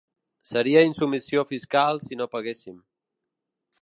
Seria insubmissió fiscal si no paguéssim.